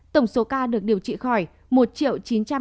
tổng số ca được điều trị khỏi một chín trăm năm mươi hai trăm bốn mươi bốn ca